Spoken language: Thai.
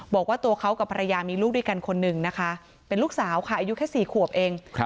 บอกว่าตัวเขากับภรรยามีลูกด้วยกันคนหนึ่งนะคะเป็นลูกสาวค่ะอายุแค่๔ขวบเอง